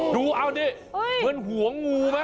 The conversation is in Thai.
ดูเอาดิเหมือนห่วงงูมั้ย